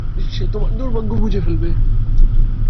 সে তোমার দুর্ভাগ্য বুঝে ফেলবে।